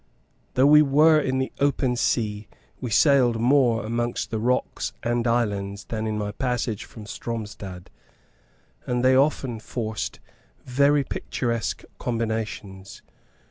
Though we were in the open sea, we sailed more amongst the rocks and islands than in my passage from Stromstad; and they often forced very picturesque combinations.